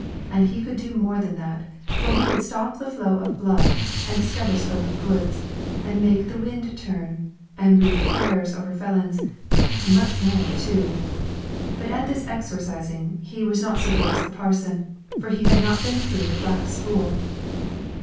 And he could do more than that, for he could stop the flow of blood, and discover stolen goods, and make the wind turn, and read prayers over felons, and much more too. But at this exorcising he was not so good as the parson, for he had not been through the black school.